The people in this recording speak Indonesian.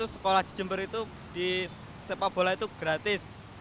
sekolah di jember itu di sepak bola itu gratis